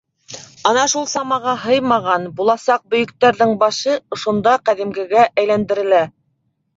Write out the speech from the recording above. Ана шул самаға һыймаған, буласаҡ бөйөктәрҙең башы ошонда ҡәҙимгегә әйләндерелә.